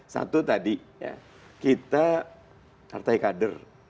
satu tadi ya kita hartai kader